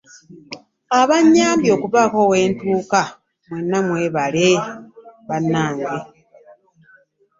Abannyambye okubaako we ntuuka mwenna mwebale bannange.